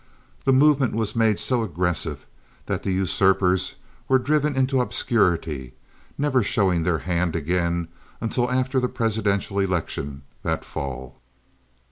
The movement was made so aggressive that the usurpers were driven into obscurity, never showing their hand again until after the presidential election that fall.